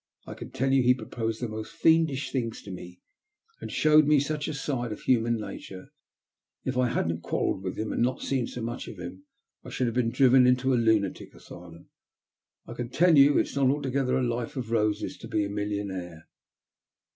1 he proposed the most fiendish things to me an( me such a side of human nature that, if quarrelled with him and not seen so much < should have been driven into a lunatic as^ can tell you it's not altogether a life of rosea millionaire.